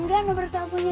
jangan sedih ya